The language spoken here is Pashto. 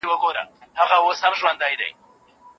کوزې بې اوبو نه وي.